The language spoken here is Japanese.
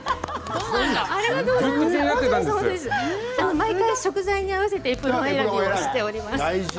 毎回、食材に合わせてエプロン選びをしております。